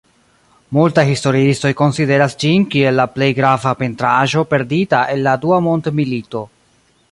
Multaj historiistoj konsideras ĝin kiel la plej grava pentraĵo perdita el la Dua Mondmilito.